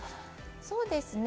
そうですね。